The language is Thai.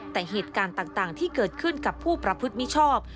แต่เหตุการณ์ต่างที่เกิดขึ้นกับผู้ประพฤติมิชชอบ